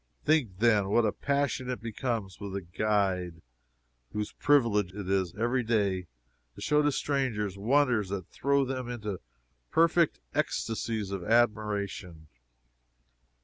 Think, then, what a passion it becomes with a guide, whose privilege it is, every day, to show to strangers wonders that throw them into perfect ecstasies of admiration!